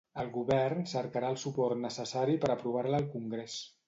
El govern cercarà el suport necessari per aprovar-la al Congrés.